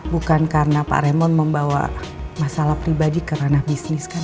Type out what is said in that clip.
bukan karena pak remon membawa masalah pribadi ke ranah bisnis kan